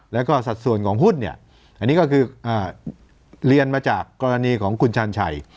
แล้วก็สัดส่วนของหุ้นเนี่ยอันนี้ก็คือเรียนมาจากกรณีของคุณชาญชัย